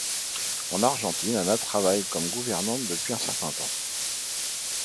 En Argentine, Anna travaille comme gouvernante pendant un certain temps.